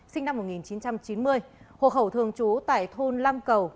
sinh năm một nghìn chín trăm chín mươi hộ khẩu thường trú tại thôn lam cầu